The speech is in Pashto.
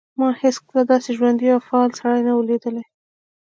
ما هیڅکله داسې ژوندی او فعال سړی نه و لیدلی